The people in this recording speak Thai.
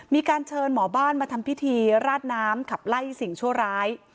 มีการเชิญหมอบ้านมาทำพิธีราดน้ำขับไล่สิ่งชั่วร้าย